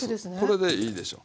これでいいでしょ。